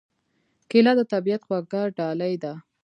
کېله د طبیعت خوږه ډالۍ ده.